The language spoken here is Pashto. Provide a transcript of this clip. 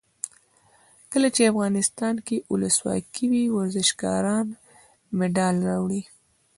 کله چې افغانستان کې ولسواکي وي ورزشکاران مډال راوړي.